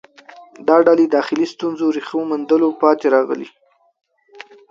دا ډلې داخلي ستونزو ریښو موندلو پاتې راغلې